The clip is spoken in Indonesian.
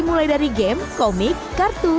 mulai dari game komik kartu